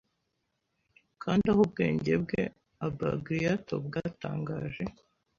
Kandi aho ubwenge bwe Abbagliato bwatangaje!